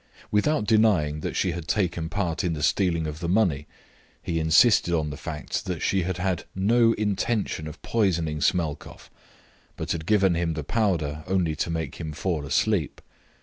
Without denying that she had taken part in the stealing of the money, he insisted on the fact that she had no intention of poisoning Smelkoff, but had given him the powder only to make him fall asleep.